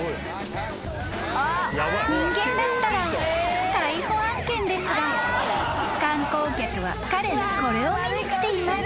［人間だったら逮捕案件ですが観光客は彼のこれを見に来ています］